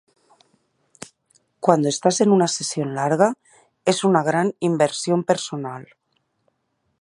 Cuando estás en una sesión larga es una gran inversión personal.